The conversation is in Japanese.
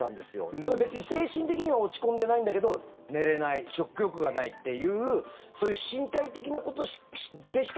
ただ、別に精神的には落ち込んでないんだけど寝れない、食欲がないっていうそういう身体的なことでしか